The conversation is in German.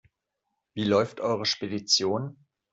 Wie läuft eure Spedition?